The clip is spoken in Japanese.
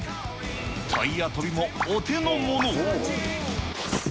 タイヤ跳びもお手のもの。